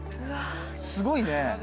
すごいね。